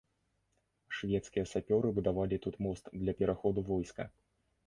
Шведскія сапёры будавалі тут мост для пераходу войска.